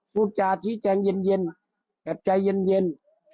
พูดจาชี้แจงเย็นแอบใจเย็น